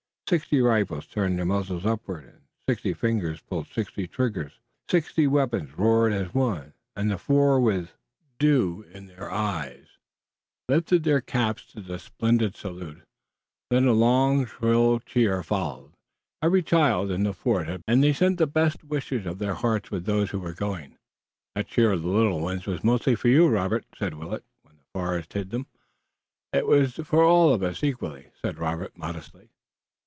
Sixty rifles turned their muzzles upward, and sixty fingers pulled sixty triggers. Sixty weapons roared as one, and the four with dew in their eyes, lifted their caps to the splendid salute. Then a long, shrill cheer followed. Every child in the fort had been lifted above the palisade, and they sent the best wishes of their hearts with those who were going. "That cheer of the little ones was mostly for you, Robert," said Willet, when the forest hid them. "It was for all of us equally," said Robert modestly.